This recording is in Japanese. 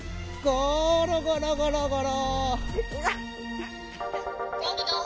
ゴロゴロゴロゴロ。